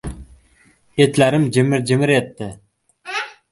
Yetlarim jimir-jimir etdi.